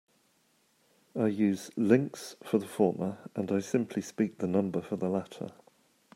I use "links" for the former and I simply speak the number for the latter.